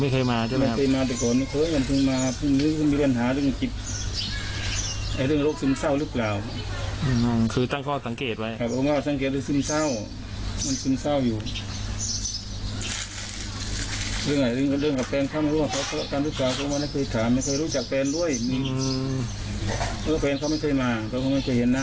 ก็ไม่รู้ว่าจะทำให้ตัดสินใจก่อนนะครับก็ไม่รู้ว่าจะทำให้ตัดสินใจก่อนนะครับ